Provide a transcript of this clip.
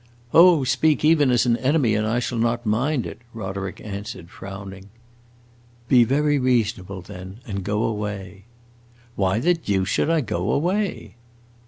"Oh, speak even as an enemy and I shall not mind it," Roderick answered, frowning. "Be very reasonable, then, and go away." "Why the deuce should I go away?"